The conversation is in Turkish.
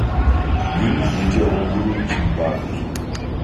Gün, gece olduğu için vardır.